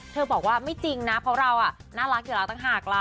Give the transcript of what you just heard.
บอกว่าไม่จริงนะเพราะเราน่ารักอยู่แล้วต่างหากล่ะ